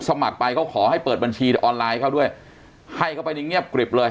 สมัครไปเขาขอให้เปิดบัญชีออนไลน์เขาด้วยให้เข้าไปในเงียบกริบเลย